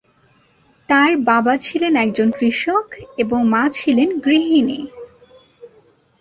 তার বাবা ছিলেন একজন কৃষক এবং মা ছিলেন গৃহিণী।